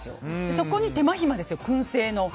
そこに手間暇ですよ、燻製の。